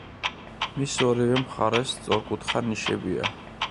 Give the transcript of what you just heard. მის ორივე მხარეს სწორკუთხა ნიშებია.